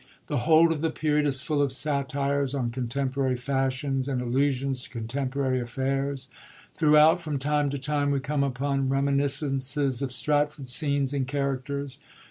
The whole of the Period is full of satires on con temporary fashions, and allusions to contemporary affairs. Throughout, from time to time, we come upon reminiscences of Stratford scenes and characters.